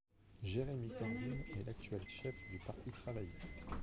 Jeremy Corbyn est l'actuel chef du Parti travailliste.